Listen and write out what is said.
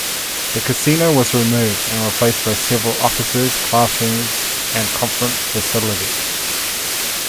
The casino was removed and replaced by several offices, classrooms and conference facilities.